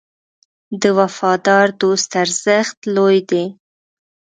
د وفادار دوست ارزښت لوی دی.